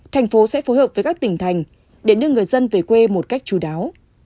thành phố sẽ phối hợp với các tỉnh thành để đưa người dân về quê một cách chú đáo